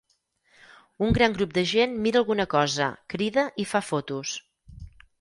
Un gran grup de gent mira alguna cosa, crida i fa fotos.